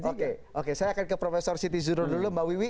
oke oke saya akan ke profesor siti zuro dulu mbak wiwi